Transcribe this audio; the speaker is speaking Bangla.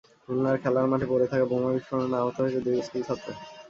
খুলনায় খেলার মাঠে পড়ে থাকা বোমা বিস্ফোরণে আহত হয়েছে দুই স্কুলছাত্র।